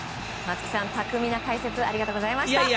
松木さん、巧みな解説ありがとうございました。